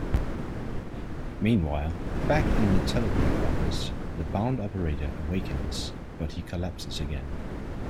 Meanwhile, back in the telegraph office, the bound operator awakens, but he collapses again.